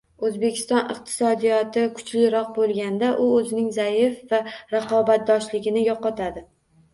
O'zbekiston iqtisodiyoti kuchliroq bo'lganda, u o'zining zaif va raqobatbardoshligini yo'qotadi